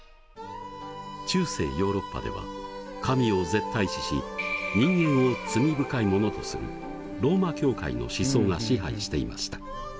中世ヨーロッパでは神を絶対視し人間を罪深いものとするローマ教会の思想が支配していました。